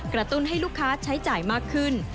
ตุ้นให้ลูกค้าใช้จ่ายมากขึ้น